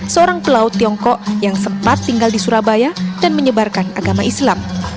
seorang pelaut tiongkok yang sempat tinggal di surabaya dan menyebarkan agama islam